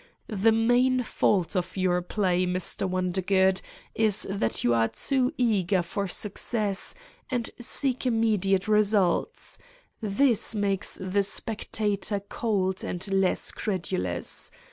The main fault of your play, Mr. Wondergood, is that you are too eager for success and seek im mediate results. This makes the spectator cold and less credulous.